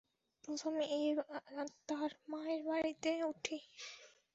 প্রথমে ইভ আর তার মায়ের বাড়িতে উঠি।